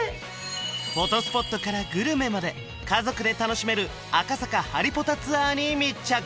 フォトスポットからグルメまで家族で楽しめる赤坂ハリポタツアーに密着